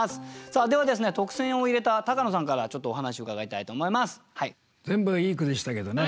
では特選を入れた高野さんからちょっとお話伺いたいと思います。